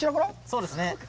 そうですね